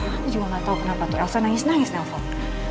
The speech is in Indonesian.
aku juga gak tahu kenapa tuh elsa nangis nangis nelfon